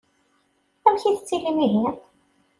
Amek i tettilim ihi?